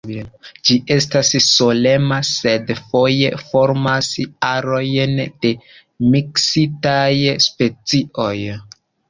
Ĝi estas solema, sed foje formas arojn de miksitaj specioj.